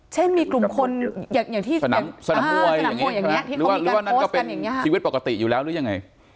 เช่นมีกลุ่มคนอย่างที่สนามมวยอย่างนี้หรือว่านั่นก็เป็นชีวิตปกติอยู่แล้วหรือยังไง